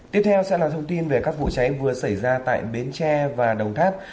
tiếp theo sẽ là thông tin về các vụ cháy vừa xảy ra tại bến tre và đồng tháp